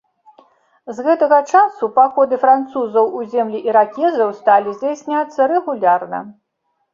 З гэтага часу паходы французаў у землі іракезаў сталі здзяйсняцца рэгулярна.